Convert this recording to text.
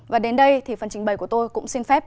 và đến đây thì phần trình bày của tôi cũng xin phép